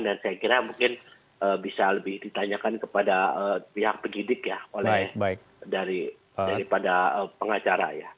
dan saya kira mungkin bisa lebih ditanyakan kepada pihak penyidik ya oleh daripada pengacara ya